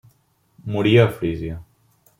Moria a Frísia.